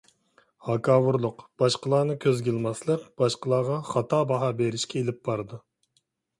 ھاكاۋۇرلۇق، باشقىلارنى كۆزگە ئىلماسلىق باشقىلارغا خاتا باھا بېرىشكە ئېلىپ بارىدۇ.